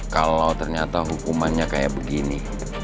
kalau ternyata hukumannya kayak begini